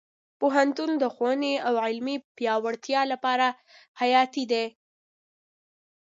پوهنتون د ښوونې او علمي پیاوړتیا لپاره حیاتي دی.